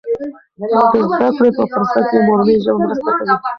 د زده کړې په پروسه کې مورنۍ ژبه مرسته کوي.